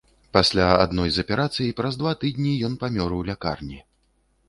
Пасля адной з аперацый праз два тыдні ён памёр у лякарні.